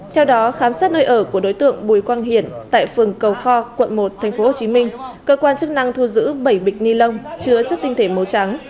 theo đó khám xét nơi ở của đối tượng bùi quang hiển tại phường cầu kho quận một tp hcm cơ quan chức năng thu giữ bảy bịch ni lông chứa chất tinh thể màu trắng